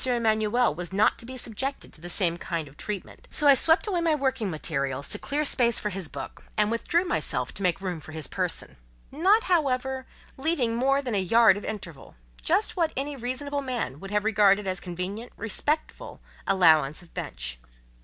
Emanuel was not to be subjected to the same kind of treatment, so I swept away my working materials, to clear space for his book, and withdrew myself to make room for his person; not, however, leaving more than a yard of interval, just what any reasonable man would have regarded as a convenient, respectful allowance of bench.